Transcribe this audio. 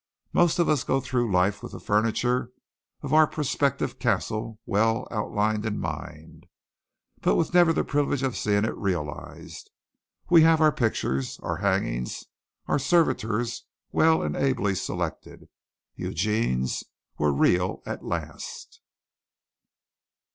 Most of us go through life with the furniture of our prospective castle well outlined in mind, but with never the privilege of seeing it realized. We have our pictures, our hangings, our servitors well and ably selected. Eugene's were real at last.